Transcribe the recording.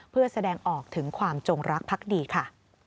เพื่อแสดงออกถึงความจงรักพักดีค่ะ